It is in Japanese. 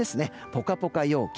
ポカポカ陽気。